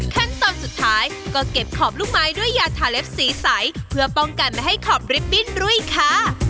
ขั้นตอนสุดท้ายก็เก็บขอบลูกไม้ด้วยยาทาเล็บสีใสเพื่อป้องกันไม่ให้ขอบริบบิ้นรุ่ยค่ะ